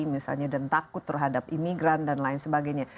misalnya dan takut terhadap imigran dan lain sebagainya